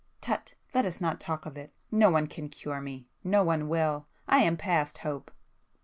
Tut!—let us not talk of it,—no one can cure me,—no one will! I am past hope!"